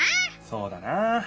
そうだな！